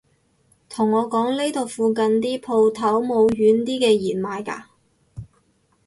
同我講呢度附近啲舖頭冇軟啲嘅弦賣㗎